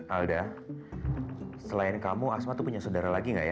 alda selain kamu asma itu punya saudara lagi gak ya